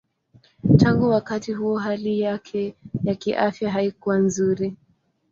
Tangu wakati huo hali yake ya kiafya haikuwa nzuri.